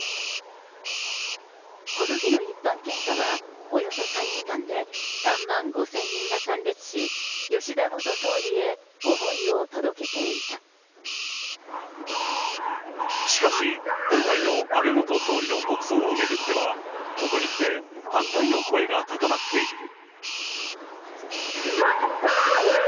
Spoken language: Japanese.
この日の一般献花は、およそ３時間で、３万５０００人が参列し、しかし、今回の安倍元総理の国葬を巡っては、ここに来て反対の声が高まっている。